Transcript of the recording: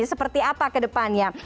seperti apa kedepannya